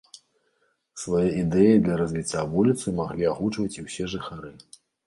Свае ідэі для развіцця вуліцы маглі агучваць і ўсе жыхары.